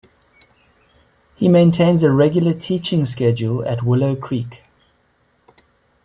He maintains a regular teaching schedule at Willow Creek.